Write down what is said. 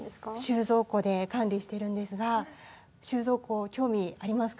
収蔵庫で管理してるんですが収蔵庫興味ありますか？